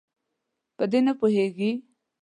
په دې نه پوهیږي.